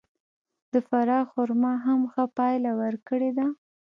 د فراه خرما هم ښه پایله ورکړې ده.